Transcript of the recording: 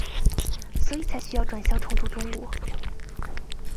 所以才需要转校重读中五。